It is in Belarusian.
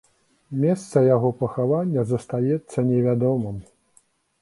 Месца яго пахавання застаецца невядомым.